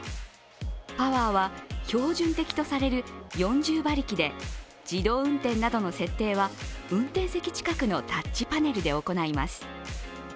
パワーは標準的とされる４０馬力で自動運転などの設定は運転席近くのタッチパネルで行います。